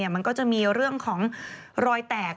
มันก็จะมีเรื่องของรอยแตก